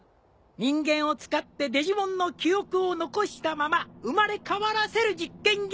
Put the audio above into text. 人間を使ってデジモンの記憶を残したまま生まれ変わらせる実験ぎゃ。